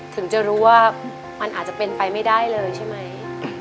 ถึงจะรู้ว่ามันอาจจะเป็นไปไม่ได้เลยใช่ไหม